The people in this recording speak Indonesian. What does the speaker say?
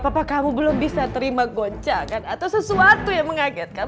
apakah kamu belum bisa terima goncangan atau sesuatu yang mengagetkan